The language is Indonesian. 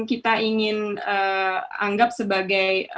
saya ingin anggap sebagai